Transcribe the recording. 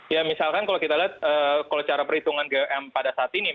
ya misalkan kalau kita lihat kalau cara perhitungan gm pada saat ini